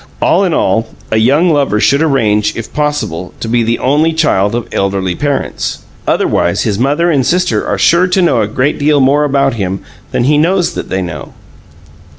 All in all, a young lover should arrange, if possible, to be the only child of elderly parents; otherwise his mother and sister are sure to know a great deal more about him than he knows that they know.